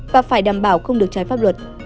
và phải đảm bảo không được trái pháp luật